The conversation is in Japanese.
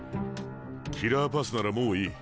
キラーパスならもういい。